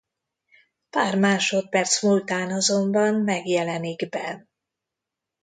Pár másodperc múltán azonban megjelenik Ben.